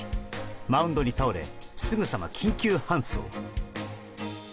マウンドに倒れすぐさま緊急搬送。